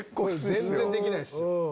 全然できないっすよ。